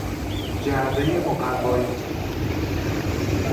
جعبهی مقوایی